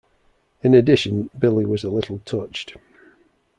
In addition Billy was a little touched.